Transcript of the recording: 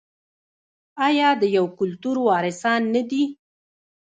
آیا د یو کلتور وارثان نه دي؟